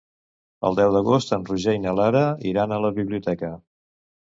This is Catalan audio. El deu d'agost en Roger i na Lara iran a la biblioteca.